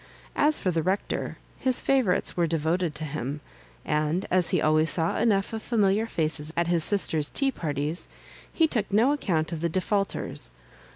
As for the Rec tor, his favourites were devoted to him ; and as he always saw enough of familiar faces at his sister's tea parties, he took no account of the defaulters.